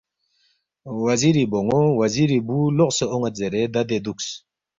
وزیری بون٘و وزیری بوُ لوقسے اون٘ید زیرے ددے دُوکس